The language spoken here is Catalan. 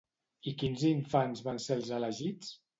I quins infants van ser els elegits?